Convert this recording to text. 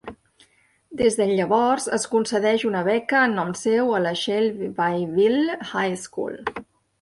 Des de llavors es concedeix una beca en nom seu a la Shelbyville High School.